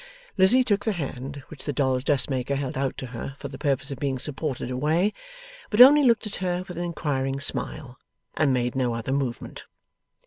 Lizzie took the hand which the dolls' dressmaker held out to her for the purpose of being supported away, but only looked at her with an inquiring smile, and made no other movement.